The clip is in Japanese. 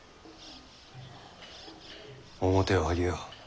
面を上げよ。